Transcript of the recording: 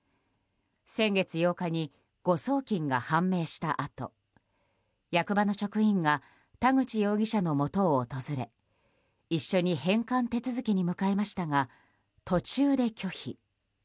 先月８日に誤送金が判明したあと役場の職員が田口容疑者のもとを訪れ一緒に返還手続きに向かいましたが途中で拒否。